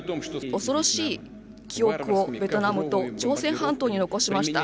恐ろしい記憶をベトナムと朝鮮半島に残しました。